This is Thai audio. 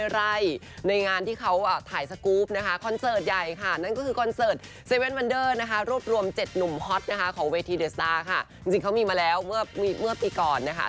แล้วก็จัดเต็มมากโดยเฉพาะซิกแพ็คนะคะ